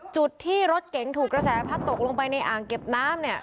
จุดที่รถเก๋งถูกกระแสพัดตกลงไปในอ่างเก็บน้ำเนี่ย